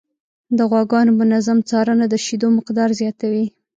د غواګانو منظم څارنه د شیدو مقدار زیاتوي.